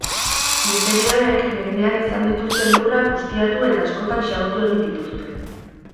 Inperioek, mendean izan dituzten lurrak ustiatu eta askotan xahutu egin dituzte.